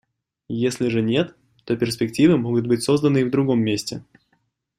Если же нет, то перспективы могут быть созданы и в другом месте.